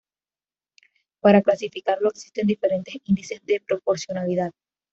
Para clasificarlos, existen diferentes índices de proporcionalidad.